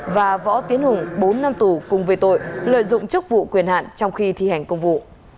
và võ tiến hùng bốn năm tù cùng về tội lợi dụng chức vụ quyền hạn trong khi thi hành công vụ